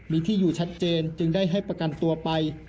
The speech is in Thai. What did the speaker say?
มีที่อยู่ชัดเจนจึงได้ให้ประกันตัวไป